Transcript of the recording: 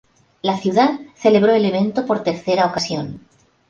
La ciudad celebró el evento por tercera ocasión.